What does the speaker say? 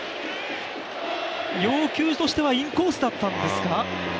要求としてはインコースだったんですか？